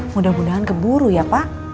mudah mudahan keburu ya pak